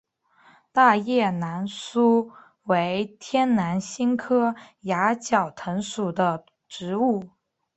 大叶南苏为天南星科崖角藤属的植物。